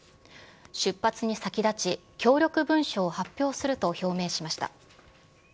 出発に先立ち、協力文書を発表すると表明しました。